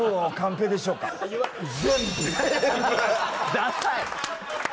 ダサい！